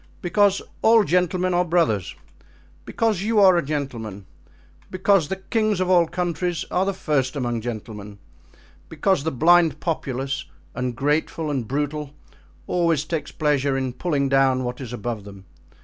"Because all gentlemen are brothers, because you are a gentleman, because the kings of all countries are the first among gentlemen, because the blind populace, ungrateful and brutal, always takes pleasure in pulling down what is above them.